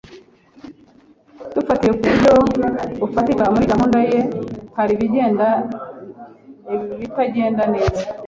Dufatiye ku buryo bufatika, muri gahunda ye hari ibitagenda neza